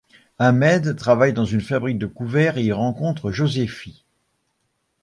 Ahmed travaille dans une fabrique de couverts et y rencontre Joséphie.